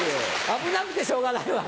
危なくてしょうがないわ。